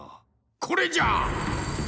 これじゃ！